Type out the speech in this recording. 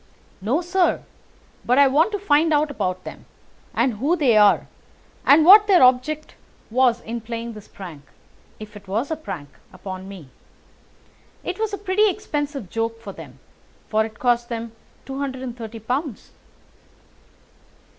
"No, sir. But I want to find out about them, and who they are, and what their object was in playing this prank—if it was a prank—upon me. It was a pretty expensive joke for them, for it cost them two and thirty pounds."